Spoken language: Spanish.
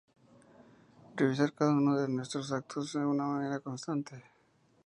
Revisar cada uno de nuestros actos de una manera constante